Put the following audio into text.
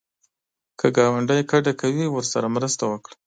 که ګاونډی کډه کوي، ورسره مرسته وکړه